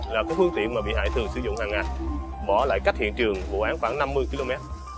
là một phương tiện bị hại thường sử dụng hàng ngày bỏ lại cách hiện trường bộ án khoảng năm mươi km